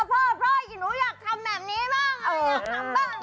พ่ออีหนูอยากทำแบบนี้บ้างอยากทำบ้าง